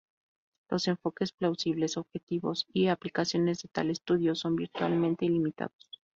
Los enfoques plausibles, objetivos y aplicaciones de tal estudio son virtualmente ilimitados.